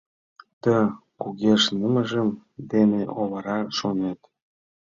Да кугешнымыж дене овара, шонет.